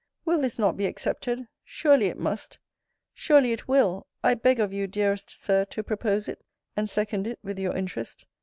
Will this not be accepted? Surely it must surely it will! I beg of you, dearest Sir, to propose it; and second it with your interest.